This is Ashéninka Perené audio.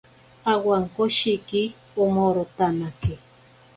Awankoshiki omorotanake.